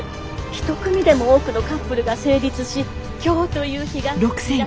一組でも多くのカップルが成立し今日という日が。